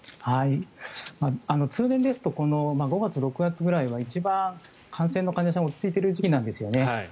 通年ですと５月６月くらいは一番、感染の患者さんが落ち着いている時期なんですね。